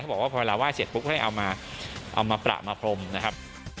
เข้าบอกว่าพอเราร้ายไว้เสร็จเพิ่มเอามาประมาพรมนะครับ